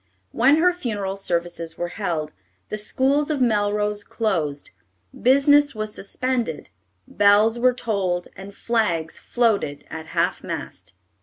When her funeral services were held, the schools of Melrose closed, business was suspended, bells were tolled, and flags floated at half mast.